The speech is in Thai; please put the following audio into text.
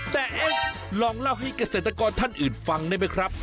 แต่เอ๊ะลองเล่าให้เกษตรกรท่านอื่นฟังได้ไหมครับ